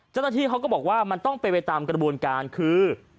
เจ้าหน้าที่เขาก็บอกว่ามันต้องเป็นไปตามกระบวนการคือ